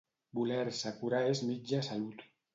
Voler-se curar és mitja salut.